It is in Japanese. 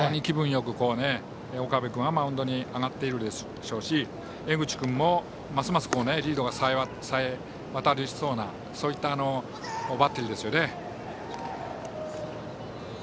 よく岡部君はマウンドに上がってるでしょうし江口君もますますリードがさえ渡りそうなバッテリーですよね。